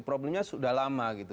problemnya sudah lama gitu